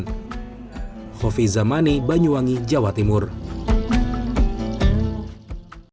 al quran raksasa ini juga menggunakan kertas khusus yang didatangkan langsung dari jepang